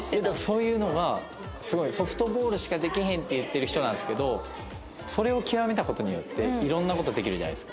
そういうのがすごいソフトボールしかできへんって言ってる人なんですけどそれを極めた事によって色んな事できるじゃないですか。